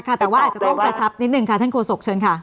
แต่ว่าอาจจะต้องประทับนิดนึงค่ะท่านโฆษกเชิญค่ะ